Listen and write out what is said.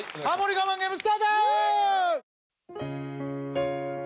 我慢ゲームスタート！